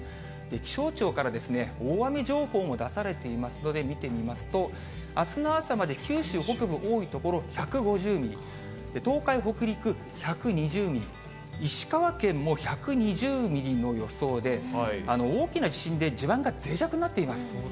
気象庁からですね、大雨情報も出されていますので見てみますと、あすの朝まで、九州北部、多い所１５０ミリ、東海、北陸１２０ミリ、石川県も１２０ミリの予想で、大きな地震で地盤がぜい弱になっています。